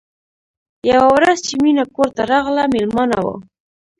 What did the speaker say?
یوه ورځ چې مینه کور ته راغله مېلمانه وو